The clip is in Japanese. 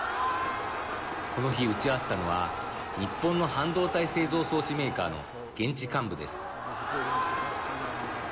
この日、打ち合わせたのは日本の半導体製造装置メーカーの現地幹部です。